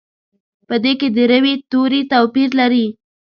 په دې کې د روي توري توپیر لري.